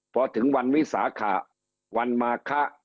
เพราะถึงวันวิสาขาวันมาฆะ